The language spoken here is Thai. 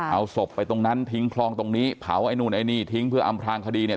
เอาศพไปตรงนั้นทิ้งคลองตรงนี้เผาไอ้นู่นไอ้นี่ทิ้งเพื่ออำพลางคดีเนี่ย